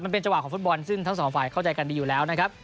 จังหวะของฟุตบอลซึ่งทั้งสองฝ่ายเข้าใจกันดีอยู่แล้วนะครับ